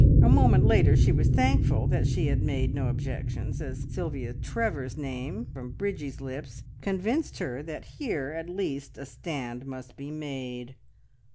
A moment later she was thankful that she had made no objections, as Sylvia Trevor's name from Bridgie's lips convinced her that here at least a stand must be made.